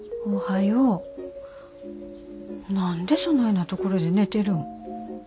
おはよう。何でそないな所で寝てるん。